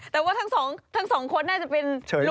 แต่ว่าทั้งสองคนน่าจะเป็น